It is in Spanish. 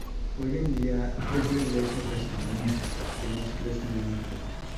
Hoy en día es la iglesia brasilera que más crece en el mundo.